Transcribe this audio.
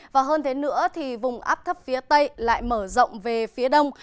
và hơn thế nữa thì vùng áp thấp phía tây lại mở rộng về phía đông